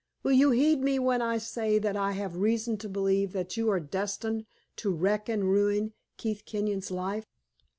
Will you heed me when I say that I have reason to believe that you are destined to wreck and ruin Keith Kenyon's life?